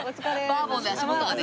バーボンで足元がね。